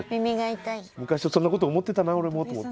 昔、そんなこと思ってたな、俺も。